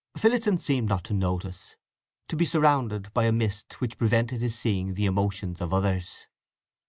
Phillotson seemed not to notice, to be surrounded by a mist which prevented his seeing the emotions of others.